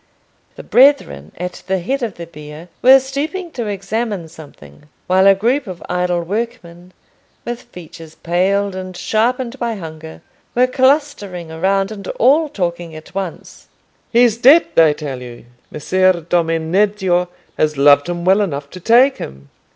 The brethren at the head of the bier were stooping to examine something, while a group of idle workmen, with features paled and sharpened by hunger, were clustering around and all talking at once. "He's dead, I tell you! Messer Domeneddio has loved him well enough to take him."